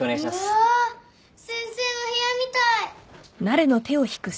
うわぁ先生の部屋みたい。